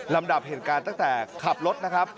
ตั้งแต่ขับรถนะครับ